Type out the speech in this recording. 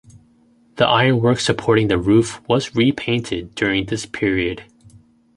The iron work supporting the roof was repainted during this period.